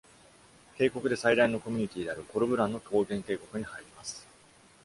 渓谷で最大のコミュニティであるコルブランの高原渓谷に入ります。